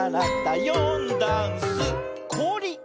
「よんだんす」「こおり」！